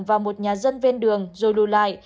vào một nhà dân bên đường rồi lù lại